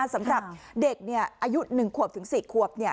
สำหรับเด็กอายุ๑๔ขวบ